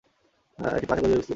এটি পাঁচ একর জুড়ে বিস্তৃত।